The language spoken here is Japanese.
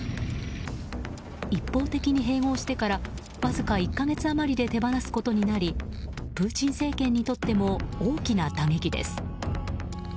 一方的に併合してからわずか１か月余りで手放すことになりプーチン政権にとっても大きな打撃です。